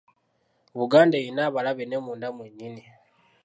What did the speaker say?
Buganda eyina abalabe ne munda mwe nnyini.